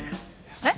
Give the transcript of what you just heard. えっ？